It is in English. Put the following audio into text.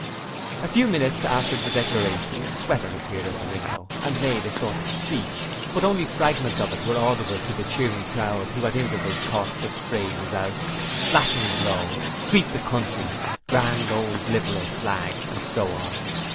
A few minutes after the declaration, Sweater appeared at the window and made a sort of a speech, but only fragments of it were audible to the cheering crowd who at intervals caught such phrases as 'Slashing Blow', 'Sweep the Country', 'Grand Old Liberal Flag', and so on.